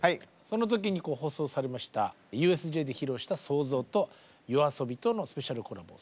その時に放送されましたＵＳＪで披露した「創造」とＹＯＡＳＯＢＩとのスペシャルコラボ